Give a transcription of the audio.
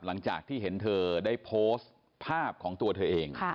หลังจากที่เห็นเธอได้โพสต์ภาพของตัวเธอเอง